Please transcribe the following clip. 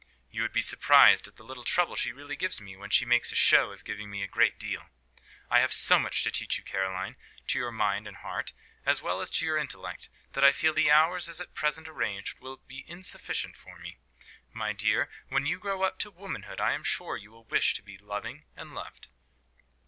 You would be surprised at the little trouble she really gives me while she makes a show of giving me a great deal. I have so much to teach you, Caroline to your mind and heart, as well as to your intellect that I feel the hours as at present arranged, will be insufficient for me. My dear, when you grow up to womanhood, I am sure you will wish to be loving and loved."